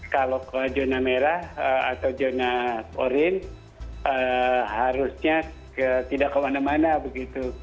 kalau ke zona merah atau zona orin harusnya tidak kemana mana begitu